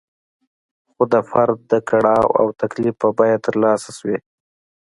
خو د فرد د کړاو او تکلیف په بیه ترلاسه شوې.